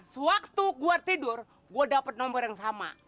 sewaktu gua tidur gua dapet nomor yang sama